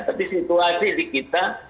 tapi situasi di kita